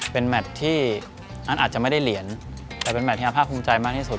เป็นแมทที่อันอาจจะไม่ได้เหรียญแต่เป็นแมทที่อาภาคภูมิใจมากที่สุด